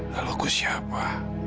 lalu aku siapa